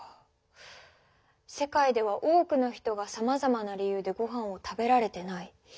世界では多くの人がさまざまな理由でごはんを食べられてない。